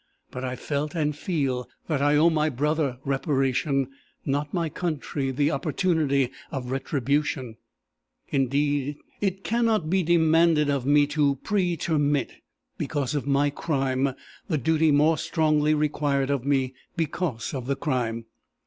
But I felt and feel that I owe my brother reparation, not my country the opportunity of retribution. It cannot be demanded of me to pretermit, because of my crime, the duty more strongly required of me because of the crime.